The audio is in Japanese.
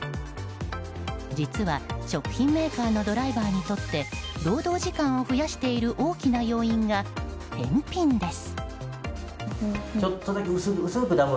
実は、食品メーカーのドライバーにとって労働時間を増やしている大きな要因が返品です。